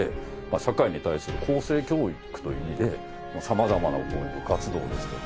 社会に対する更生教育という意味でさまざまな部活動ですとか。